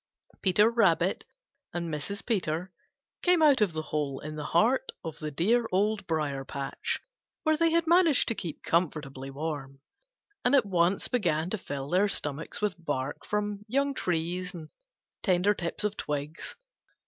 Peter Rabbit and Mrs. Peter came out of the hole in the heart of the dear Old Briar patch, where they had managed to keep comfortably warm, and at once began to fill their stomachs with bark from young trees and tender tips of twigs.